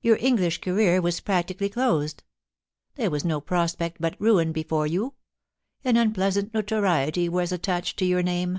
Your English career was practically closed ; there was no prospect but ruin before you ; an unpleasant notoriety was attached to your name.